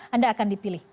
anda akan dipilih